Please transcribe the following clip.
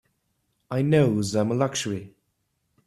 I knows I'm a luxury.